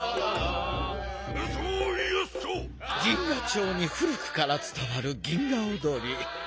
銀河町に古くからつたわる銀河おどりいかがですか？